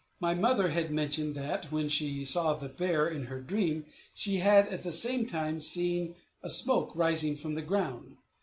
My mother had mentioned that, when she saw the bear in her dream, she had, at the same time, seen a smoke rising from the ground.